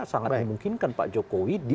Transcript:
sangat memungkinkan pak jokowi